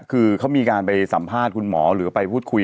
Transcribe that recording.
คือเขามีการไปสัมภาษณ์คุณหมอหรือไปพูดคุย